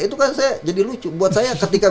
itu kan saya jadi lucu buat saya ketika